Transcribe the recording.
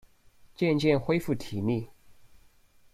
渐渐恢复体力